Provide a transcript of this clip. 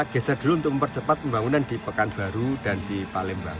geser dulu untuk mempercepat pembangunan di pekanbaru dan di palembang